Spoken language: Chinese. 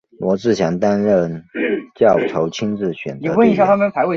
罗志祥担任教头亲自选择队员。